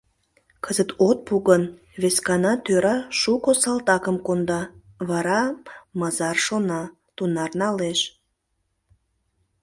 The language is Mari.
Кызыт от пу гын, вескана тӧра шуко салтакым конда, вара мызар шона, тунар налеш.